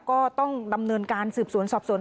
ก็ต้องดำเนินการสืบสวนสอบสวน